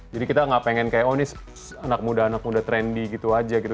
jadi kita gak pengen kayak oh ini anak muda anak muda trendy gitu aja gitu